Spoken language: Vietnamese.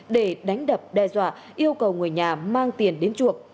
để đánh đập đe dọa yêu cầu người nhà mang tiền đến chuộc